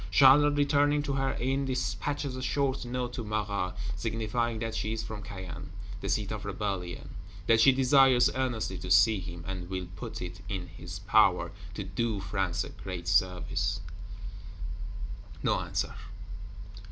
Charlotte, returning to her Inn, dispatches a short Note to Marat; signifying that she is from Caen, the seat of rebellion; that she desires earnestly to see him, and "will put it in his power to do France a great service." No answer.